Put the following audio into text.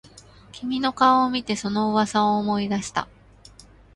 君の顔を見てその噂を思い出した